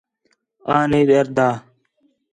آں نہیں ݙردا